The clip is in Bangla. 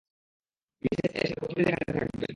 মিসেস এশার কতদিন এখানে থাকবেন?